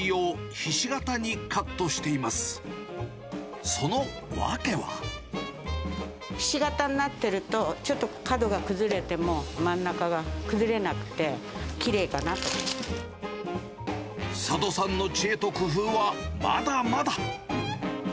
ひし形になってると、ちょっと角が崩れても、佐渡さんの知恵と工夫は、まだまだ。